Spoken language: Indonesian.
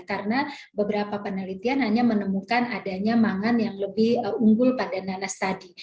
karena beberapa penelitian hanya menemukan adanya mangan yang lebih unggul pada nanas tadi